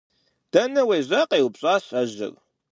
- Дэнэ уежьа? - къеупщӏащ ажэр.